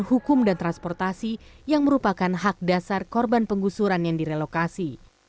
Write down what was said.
hukum dan transportasi yang merupakan hak dasar korban penggusuran yang direlokasi